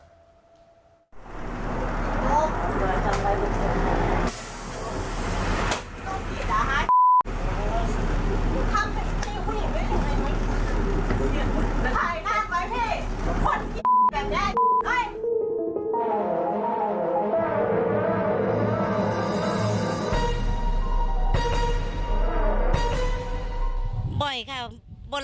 เฮ้ยคนแบบแดงแบบแดง